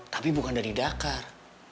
tapi bukan dari dakar